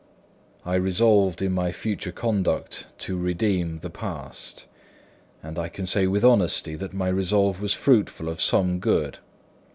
I resolved in my future conduct to redeem the past; and I can say with honesty that my resolve was fruitful of some good.